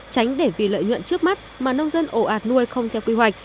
tránh để vì lợi nhuận trước mắt mà nông dân ổ ạt nuôi không theo quy hoạch